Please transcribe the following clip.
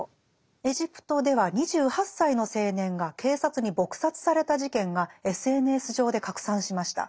エジプトでは２８歳の青年が警察に撲殺された事件がＳＮＳ上で拡散しました。